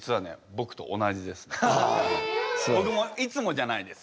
ぼくもいつもじゃないです。